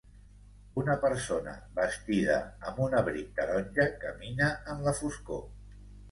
Una persona vestida amb un abric taronja camina en la foscor.